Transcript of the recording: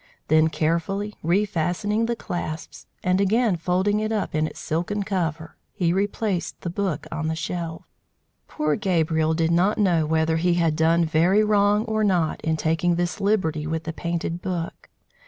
Then carefully refastening the clasps, and again folding it up in its silken cover, he replaced the book on the shelf. Poor Gabriel did not know whether he had done very wrong or not in taking this liberty with the painted book.